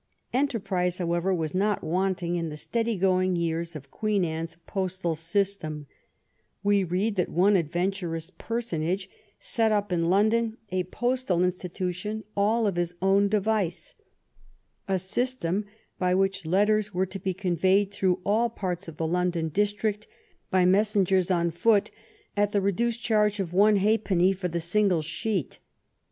Enterprise, however, was not wanting in the steady going years of Queen Anne's postal system* We read that one adventurous personage set up in London a postal institution all of his own device — ^a system by which letters were to be conveyed through all parts of the London district by messengers on foot at the reduced charge of one halfpenny for the single sheet.